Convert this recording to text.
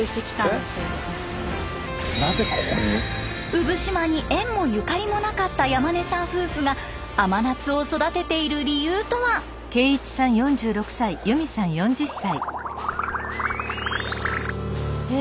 産島に縁もゆかりもなかった山根さん夫婦が甘夏を育てている理由とは？へ！